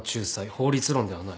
法律論ではない。